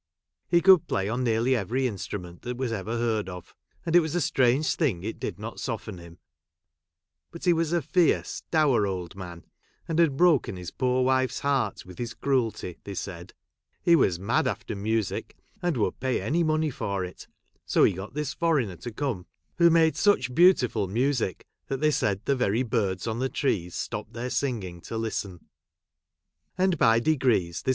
He could ' play on nearly every instrument that ever was | heard of ; and it was a strange thing it did ; not soften him ; but he was a fierce dour old man, and had broken his poor wife's heart with his cruelty, they said. He was mad after music, and would pay any money for it. So he got this foreigner to come; who j made such beautiful music, that they said the very birds on the trees stopped their singing to listen. And, by de^ees, this